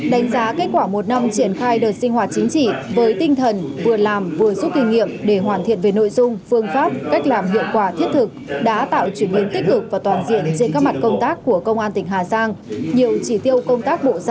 đánh giá kết quả một năm triển khai đợt sinh hoạt chính trị với tinh thần vừa làm vừa giúp kinh nghiệm để hoàn thiện về nội dung phương pháp cách làm hiệu quả thiết thực đã tạo chuyển biến tích cực và toàn diện trên các mặt công tác của công an tỉnh hà giang